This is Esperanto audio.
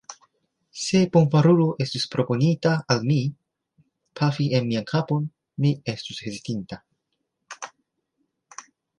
Se bonfarulo estus proponinta al mi, pafi en mian kapon, mi estus hezitinta.